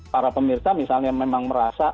para pemirsa misalnya memang merasa